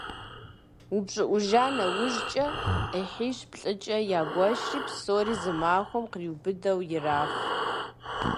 УпщӀыӀужа нэужькӀэ Ӏыхьищ-плӏыкӏэ ягуэшри, псори зы махуэм къриубыдэу ираф.